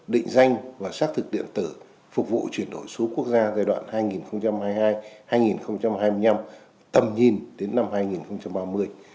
định danh và xác thực điện tử phục vụ chuyển đổi số quốc gia giai đoạn hai nghìn hai mươi hai hai nghìn hai mươi năm tầm nhìn đến năm hai nghìn ba mươi